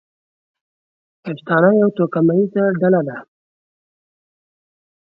پښتانه یوه توکمیزه ډله ده.